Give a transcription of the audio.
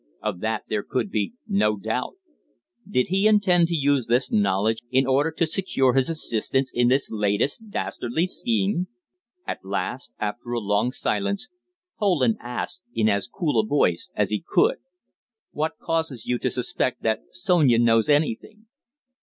Of that, there could be no doubt. Did he intend to use this knowledge in order to secure his assistance in this latest dastardly scheme? At last, after a long silence, Poland asked in as cool a voice as he could "What causes you to suspect that Sonia knows anything?"